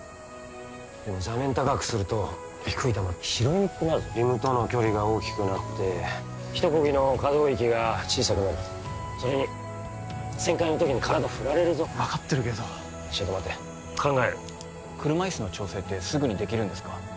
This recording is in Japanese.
でも座面高くすると低い球拾いにくくなるぞリムとの距離が大きくなってひと漕ぎの可動域が小さくなるそれに旋回の時に体振られるぞ分かってるけどちょっと待て考える車いすの調整ってすぐにできるんですか？